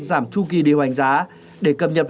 giảm chu kỳ điều hành giá để cập nhập